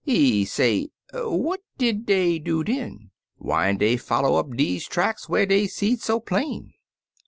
He say, 'What did dcy do den ? Why n't dey foller up deze yer tracks what dey seed so plain?